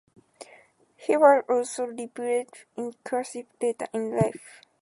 He was also rebuffed in courtship later in life.